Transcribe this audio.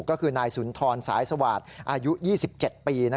ก็คือนายสุนทรสายสวาสตร์อายุ๒๗ปี